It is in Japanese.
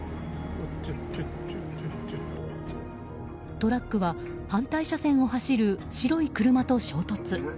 トラックは反対車線を走る白い車と衝突。